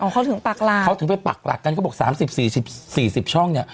เขาถึงไปปักหลักกันเขาบอก๓๐๔๐ช่องเนี่ย